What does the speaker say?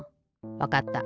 わかった。